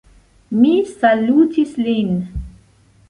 Mi salutis lin.